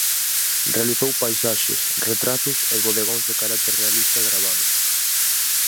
Realizou paisaxes, retratos e bodegóns, de carácter realista, e gravados.